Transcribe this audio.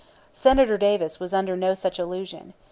Senator Davis was under no such illusion.